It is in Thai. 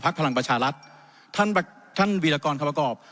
พลังประชารัฐท่านวีรกรคำประกอบ